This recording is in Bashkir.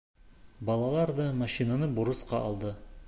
Балалар ҙа машинаны бурысҡа алды.